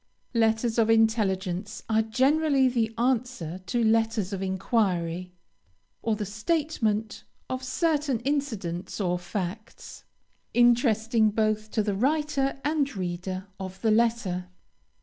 LETTERS OF INTELLIGENCE are generally the answer to letters of enquiry, or the statement of certain incidents or facts, interesting both to the writer and reader of the letter.